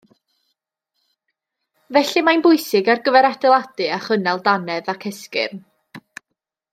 Felly, mae'n bwysig ar gyfer adeiladu a chynnal dannedd ac esgyrn